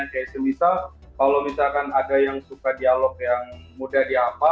kayak se misa kalau misalkan ada yang suka dialog yang mudah diatakan ya